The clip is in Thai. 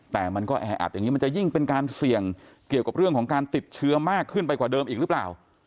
แต่มันก็แออัดอย่างนี้มันจะยิ่งเป็นการเสี่ยงเกี่ยวกับเรื่องของการติดเชื้อมากขึ้นไปกว่าเดิมอีกหรือเปล่า